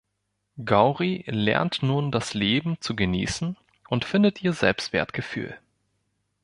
Gauri lernt nun das Leben zu genießen und findet ihr Selbstwertgefühl.